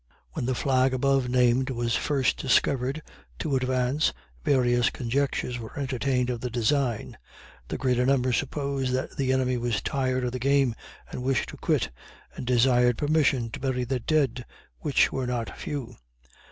When the flag above named was first discovered to advance, various conjectures were entertained of the design. The greater number supposed that the enemy was tired of the game and wished to quit, and desired permission to bury their dead, which were not few.